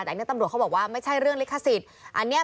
แต่ตำรวจเขาบอกว่าไม่ใช่เรื่องลิขสิทธิ์